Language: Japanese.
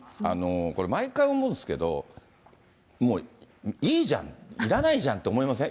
これ、毎回思うんですけど、もういいじゃん、いらないじゃんと思いません？